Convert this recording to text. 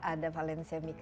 ada palen semikeran